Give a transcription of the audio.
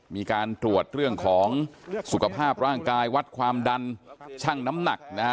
มีการตรวจเรื่องของสุขภาพร่างกายวัดความดันช่างน้ำหนักนะฮะ